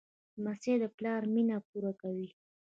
لمسی د پلار مینه پوره کوي.